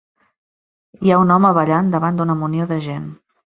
Hi ha un home ballant davant d'una munió de gent.